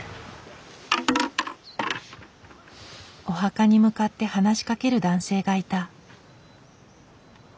お墓に向かって話しかける男性がいた。